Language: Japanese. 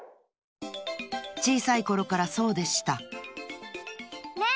ちいさいころからそうでしたねえ